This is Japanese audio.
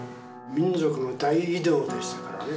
民族の大移動でしたからね